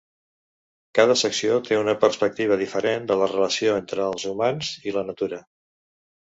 Cada secció té una perspectiva diferent de la relació entre els humans i la natura.